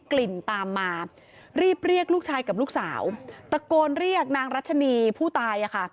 กลิ่นตามมารีบเรียกลูกชายกับลูกสาวตะโกนเรียกนางรัชนีผู้ตายอ่ะค่ะ